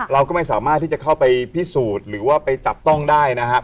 เราก็ไม่สามารถที่จะเข้าไปพิสูจน์หรือว่าไปจับต้องได้นะครับ